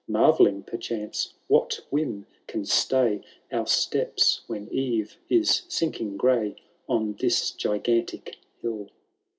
Marvelling, perchance, what whim can stay Our steps when eve is sinking gray On this gigantic hill.